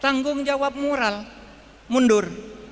tanggung jawab moral mundur